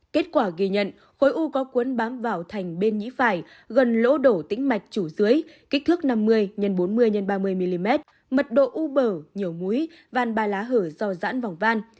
kết quả ghi nhận khối u có cuốn bám vào thành bên nhĩ phải gần lỗ đổ tĩnh mạch chủ dưới kích thước năm mươi x bốn mươi x ba mươi mm mật độ u bở nhiều mũi van ba lá hở do dãn vòng van